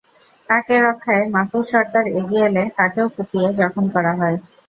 তাঁকে রক্ষায় মাসুদ সরদার এগিয়ে এলে তাঁকেও কুপিয়ে জখম করা হয়।